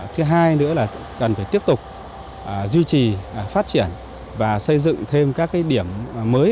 thứ hai nữa là cần phải tiếp tục duy trì phát triển và xây dựng thêm các điểm mới